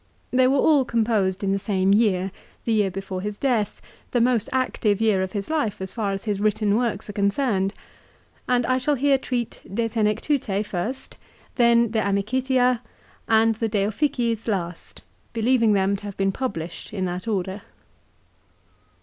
They were all composed in the same year, the year before his death, the most active year of his life, as far as his written works are concerned, and I shall here treat " De Senectute " first, then " De Amicitia," and the " De Officiis " last, believing them to have been published in that order.